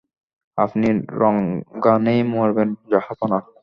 আপনি রণাঙ্গনেই মরবেন, জাহাঁপনা।